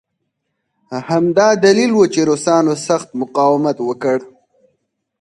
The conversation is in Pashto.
همدا دلیل و چې روسانو سخت مقاومت وکړ